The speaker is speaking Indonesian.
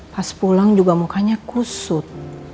pas pulang juga mukanya kusut